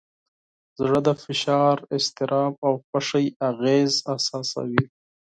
زړه د فشار، اضطراب، او خوښۍ اغېز احساسوي.